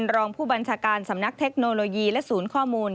รองผู้บัญชาการสำนักเทคโนโลยีและศูนย์ข้อมูล